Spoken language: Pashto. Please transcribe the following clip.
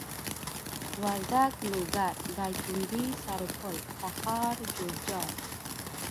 وردک لوګر دايکندي سرپل تخار جوزجان